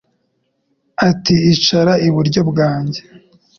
ati Icara iburyo bwanjye